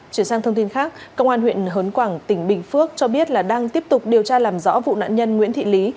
chuyển sang thông tin khác công an huyện hớn quảng tỉnh bình phước cho biết là đang tiếp tục điều tra làm rõ vụ nạn nhân nguyễn thị lý